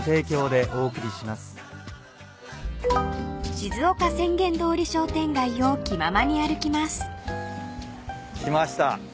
［静岡浅間通り商店街を気ままに歩きます］来ました。